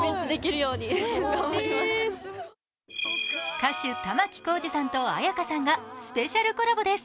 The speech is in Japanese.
歌手・玉置浩二さんと絢香さんがスペシャルコラボです。